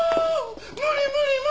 無理無理無理！